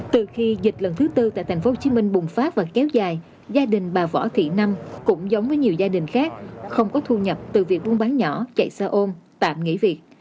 từ khi dịch lần thứ tư tại tp hcm bùng phát và kéo dài gia đình bà võ thị năm cũng giống với nhiều gia đình khác không có thu nhập từ việc buôn bán nhỏ chạy xe ôm tạm nghỉ việc